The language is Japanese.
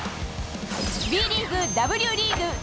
Ｂリーグ、Ｗリーグ